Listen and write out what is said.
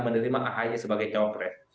menerima ahy sebagai cawapres